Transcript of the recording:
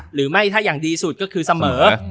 หรือไม่ถ้าอย่างดีสุดก็คือเสมอ